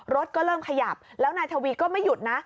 รถก็เริ่มขยับแล้วนายทวีก็ไม่หยุดนะ